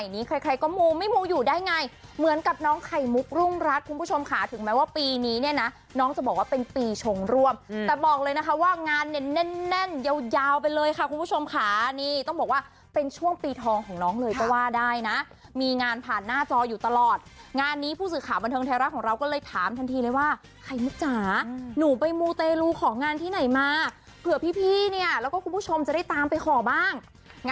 ในนี้ใครก็มูไม่มูอยู่ได้ไงเหมือนกับน้องไขมุกรุ่งรัฐคุณผู้ชมค่ะถึงแม้ว่าปีนี้เนี่ยนะน้องจะบอกว่าเป็นปีชงร่วมแต่บอกเลยนะคะว่างานแน่นแยาวไปเลยค่ะคุณผู้ชมค่ะนี่ต้องบอกว่าเป็นช่วงปีทองของน้องเลยก็ว่าได้นะมีงานผ่านหน้าจออยู่ตลอดงานนี้ผู้สื่อข่าวบันเทิงไทยรัฐของเราก็เลยถามทันทีเลยว่า